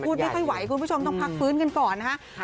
ไม่ค่อยไหวคุณผู้ชมต้องพักฟื้นกันก่อนนะครับ